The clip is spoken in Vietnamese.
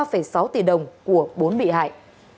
trí đoạt hơn ba sáu tỷ đồng của bốn bị hại